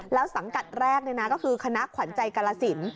แล้วสังกัดแรกก็คือคณะขวัญใจกรสิน